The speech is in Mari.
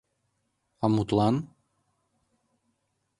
— А мутлан?